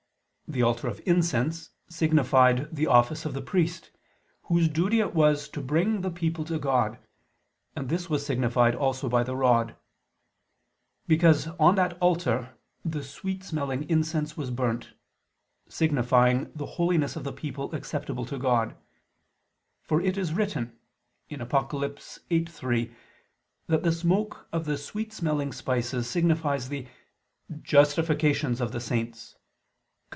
The altar of incense signified the office of the priest, whose duty it was to bring the people to God: and this was signified also by the rod: because on that altar the sweet smelling incense was burnt, signifying the holiness of the people acceptable to God: for it is written (Apoc. 8:3) that the smoke of the sweet smelling spices signifies the "justifications of the saints" (cf.